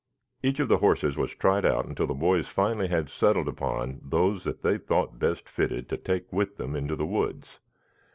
Each of the horses was tried out until the boys finally had settled upon those that they thought best fitted to take with them into the woods.